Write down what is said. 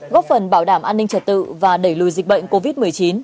góp phần bảo đảm an ninh trật tự và đẩy lùi dịch bệnh covid một mươi chín